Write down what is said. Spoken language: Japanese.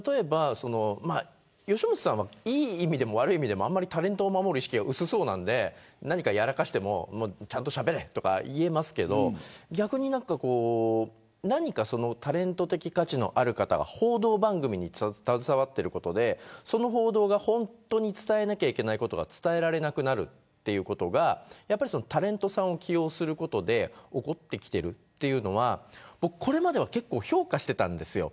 吉本さんはいい意味でも悪い意味でもタレントさんを守る意識が薄そうなので何かやらかしてもちゃんとしゃべれとか言えますけどタレント的価値のある方が報道番組に携わることでその報道が本当に伝えなきゃいけないことが伝えられなくなるということがタレントさんの起用で起きてきてるというのはこれまでは結構評価してきたんです。